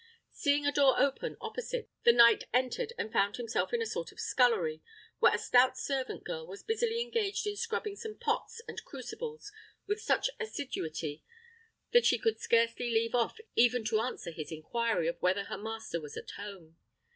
Seeing a door open opposite, the knight entered and found himself in a sort of scullery, where a stout servant girl was busily engaged in scrubbing some pots and crucibles with such assiduity, that she could scarcely leave off even to answer his inquiry of whether her master was at home.